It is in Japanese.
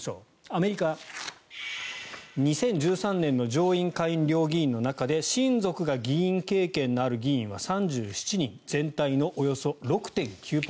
アメリカは２０１３年の上院・下院両議員の中で親族が議員経験のある議員は３７人。